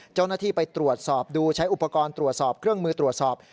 เจ้าหน้าที่ไปตรวจสอบดูใช้อุปกรณ์ตรวจสอบเครื่องมือตรวจสอบ